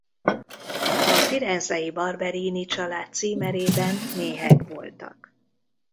A firenzei Barberini család címerében méhek voltak.